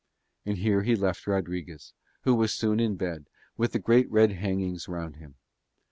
And here he left Rodriguez, who was soon in bed, with the great red hangings round him.